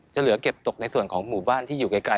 เหลือเก็บตกในส่วนของหมู่บ้านที่อยู่ไกล